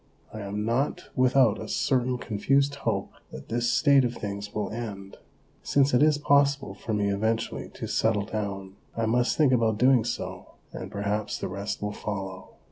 I am not without a certain confused hope that this state of things will end. Since it is possible for me eventually to settle down, I must think about doing so, and perhaps the rest will follow.